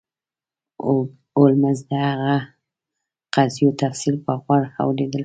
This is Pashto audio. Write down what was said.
هولمز به د هغه د قضیو تفصیل په غور اوریده.